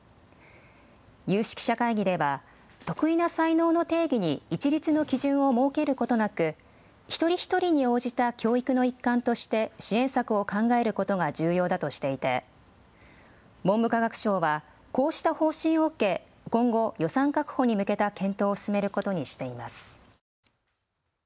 有識者会議では特異な才能の定義に一律の基準を設けることなく一人一人に応じた教育の一環として支援策を考えることが重要だとしていて文部科学省はこうした方針を受け今後、予算確保に向けた検討を進めることにしています。